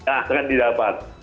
nah dengan didapat